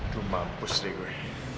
duh mampus nih gue